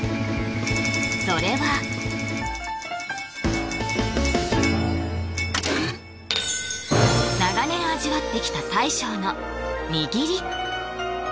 それは長年味わってきた大将の握り